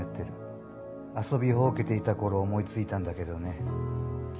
遊びほうけていた頃思いついたんだけどね。